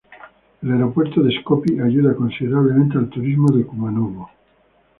El aeropuerto de Skopie ayuda considerablemente al turismo de Kumanovo.